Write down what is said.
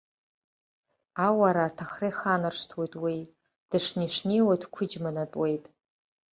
Ауара-аҭахра иханаршҭуеит уи, дышнеи-шнеиуа дқәыџьманатәуеит.